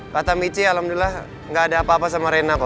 kata mici alhamdulillah gak ada apa apa sama rena kok